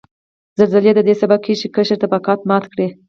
زلزلې ددې سبب کیږي چې قشري طبقات مات کړي